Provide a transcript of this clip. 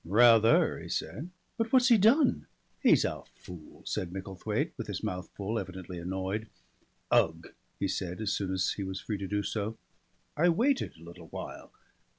"Ra ther," he said. "But what's he done?" "He's a fool," said Micklethwaite with his mouth full, evidently annoyed. "Ugh," he said as soon as he was free to do so. I waited a little while.